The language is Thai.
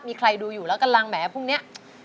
มีใครดูอยู่แล้วกำลังแหมพรุ่งนี้